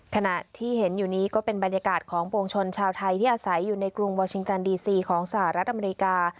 ขณะที่เห็นอยู่นี้ก็เป็นบรรยากาศของปวงชนชาวไทยที่อาศัยอยู่ในกรุงวาชิงตันดีซีของสหรัฐอเมริกา